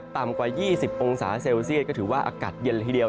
ต่ำกว่า๒๐องศาเซลเซียตก็ถือว่าอากาศเย็นละทีเดียว